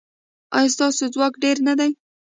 ایا ستاسو ځواک ډیر نه دی؟